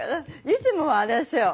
いつもはあれですよ。